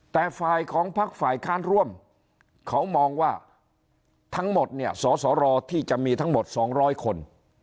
แต่ฝ่ายของพักฝ่ายค้านร่วมเขามองว่าทั้งหมดเนี่ยสสรที่จะมีทั้งหมด๒๐๐คน